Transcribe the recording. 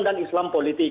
dan islam politik